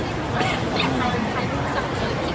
ช่องความหล่อของพี่ต้องการอันนี้นะครับ